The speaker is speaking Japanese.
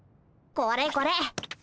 これこれ。